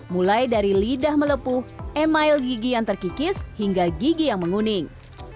mulai dari lidah melepuh emil gigi yang terkikis hingga gigi yang menguning